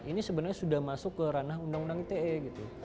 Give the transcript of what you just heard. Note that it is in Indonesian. ini sebenarnya sudah masuk ke ranah undang undang ite gitu